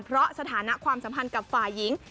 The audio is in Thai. เพราะสถานะความสัมพันธ์กับฝ่ายหญิง